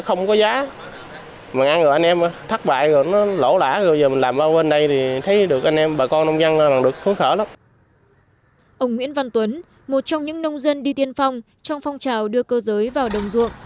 ông nguyễn văn tuấn một trong những nông dân đi tiên phong trong phong trào đưa cơ giới vào đồng ruộng